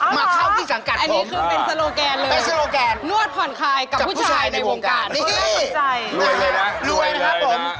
มาเข้าที่สังกัดผมเป็นโซโลแกนนวดผ่อนคลายกับผู้ชายในวงการนี่รวยเลยนะรวยเลยนะรวยนะครับผม